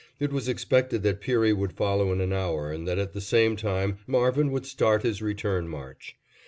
It was expected that Peary would follow in an hour and that at the same time Marvin would start his return march.